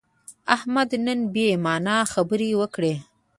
احمد نن بې معنا خبرې وکړې.